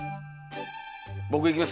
僕いきます。